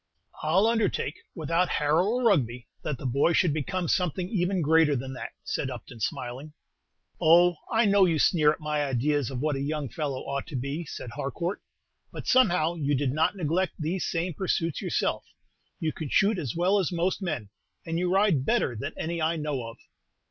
"I 'll undertake, without Harrow or Rugby, that the boy should become something even greater than that," said Upton, smiling. "Oh, I know you sneer at my ideas of what a young fellow ought to be," said Harcourt; "but, somehow, you did not neglect these same pursuits yourself. You can shoot as well as most men, and you ride better than any I know of."